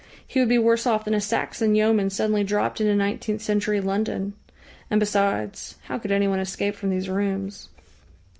He would be worse off than a Saxon yeoman suddenly dropped into nineteenth century London. And besides, how could anyone escape from these rooms?